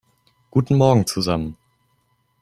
Guten Morgen zusammen!